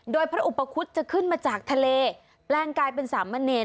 โดยพระอุปคุฎจะขึ้นมาจากทะเลแปลงกลายเป็นสามเณร